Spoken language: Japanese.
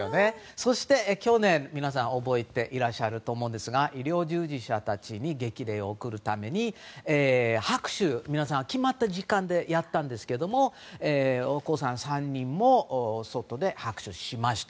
そして去年皆さん覚えていらっしゃると思うんですが医療従事者たちに激励を送るために拍手を、皆さん決まった時間でやったんですがお子さん３人も外で拍手しました。